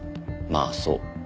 まあそう。